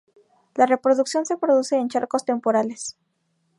La reproducción se produce en charcos temporales.